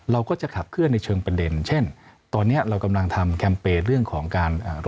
เราก็จะขับเคลื่อนในเชิงประเด็นเช่นตอนเนี้ยเรากำลังทำแคมเปญเรื่องของการอ่า